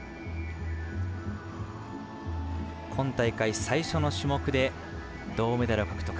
今大会最初の種目で銅メダルを獲得。